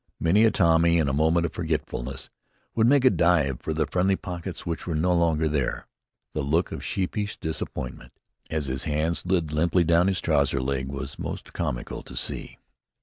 Many a Tommy, in a moment of forgetfulness, would make a dive for the friendly pockets which were no longer there. The look of sheepish disappointment, as his hands slid limply down his trouser legs, was most comical to see.